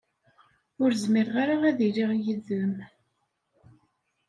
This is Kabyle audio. Ur zmireɣ ara ad iliɣ yid-m.